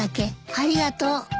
ありがとう。